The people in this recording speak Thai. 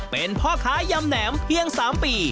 เป็นพ่อค้ายำแหนมเพียง๓ปี